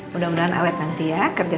mudah mudahan awet nanti ya kerja